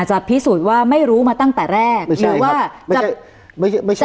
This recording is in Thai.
จะพิสูจน์ว่าไม่รู้มาตั้งแต่แรกหรือว่าจะไม่ใช่ไม่ใช่